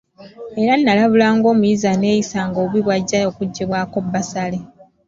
Era n’alabula ng’omuyizi aneeyisanga obubi bw’ajja okuggibwako bbasale.